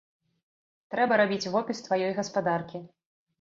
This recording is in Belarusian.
Трэба рабіць вопіс тваёй гаспадаркі.